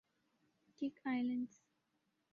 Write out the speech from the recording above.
Cook Islands